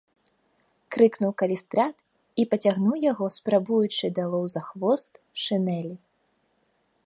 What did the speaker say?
— крыкнуў Калістрат і пацягнуў яго, спрабуючы, далоў за хвост шынэлі.